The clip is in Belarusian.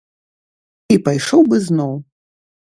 І пайшоў бы зноў.